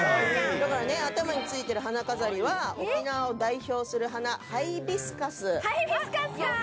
だからね、頭についてる花飾りは沖縄を代表する花ハイビスカス。